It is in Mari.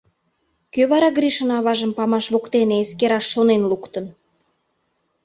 — Кӧ вара Гришын аважым памаш воктене эскераш шонен луктын?